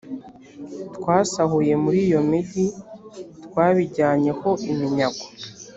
twasahuye muri iyo migi twabijyanye ho iminyago